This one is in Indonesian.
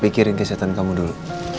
ke kesehatan kamu dulu